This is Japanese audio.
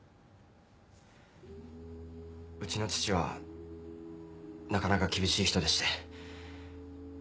うちの父はなかなか厳しい人でして。